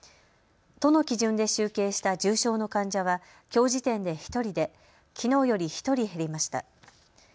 都の基準で集計した重症の患者はきょう時点で１人できのうより１人減りました。